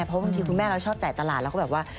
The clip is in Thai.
เพราะบางทีคุณแม่เราชอบจ่ายตลาดแล้วก็แบบว่า